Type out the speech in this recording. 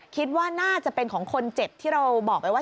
คิดว่าน่าจะเป็นของคนเจ็บที่เราบอกไปว่า